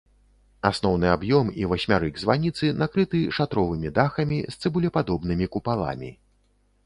Асноўны аб'ём і васьмярык званіцы накрыты шатровымі дахамі з цыбулепадобнымі купаламі.